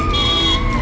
itu urusan gue